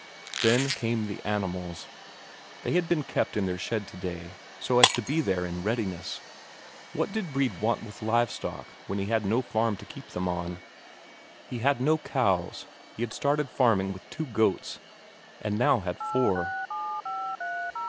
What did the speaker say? Then came the animals. They had been kept in their shed today, so as to be there in readiness. What did Brede want with live stock when he had no farm to keep them on? He had no cows; he had started farming with two goats, and had now four.